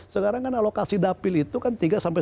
sekarang kan alokasi dapil itu kan tiga sampai